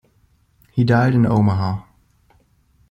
He died in Omaha.